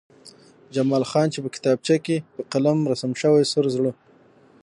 جمال خان چې په کتابچه کې په قلم رسم شوی سور زړه